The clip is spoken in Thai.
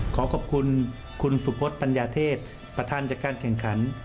ขอขอบคุณคุณสุพธปัญญาเทศประธานจัดการแข่งขัน